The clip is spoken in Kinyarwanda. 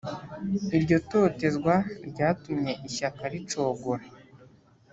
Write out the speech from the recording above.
Iryo totezwa ryatumye ishyaka ricogora.